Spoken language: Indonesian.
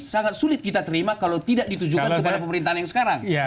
sangat sulit kita terima kalau tidak ditujukan kepada pemerintahan yang sekarang